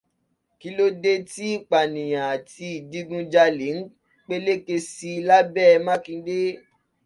Kí lo dé tí ìpànìyàn àti ìdigunjalè ń peléke síi lábẹ́ Mákindé?